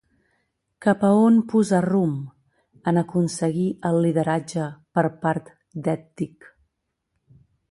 Cap a on posà rumb en aconseguir el lideratge per part d'Ècdic?